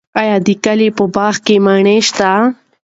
آیا د کلي په باغ کې مڼې شته؟